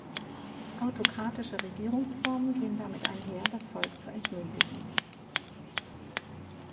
Autokratische Regierungsformen gehen damit einher, das Volk zu entmündigen.